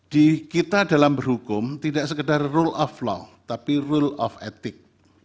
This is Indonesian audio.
di kita dalam berhukum tidak sekedar rule of law tapi rule of etik